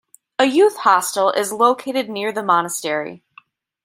A youth hostel is located near the monastery.